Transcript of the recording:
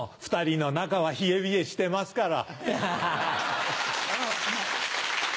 ２人の中は冷え冷えしてますから。